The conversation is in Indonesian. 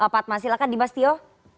pak atma silakan di bastio